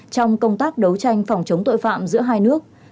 trong công tác đấu tranh phòng chống tội phạm giữa hai nước